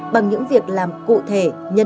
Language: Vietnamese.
bằng những việc làm cụ thể